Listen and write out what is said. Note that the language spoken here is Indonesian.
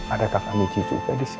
ada tak kak michi juga disini